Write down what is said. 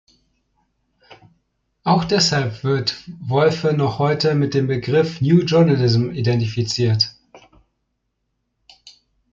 Auch deshalb wird Wolfe noch heute mit dem Begriff „New Journalism“ identifiziert.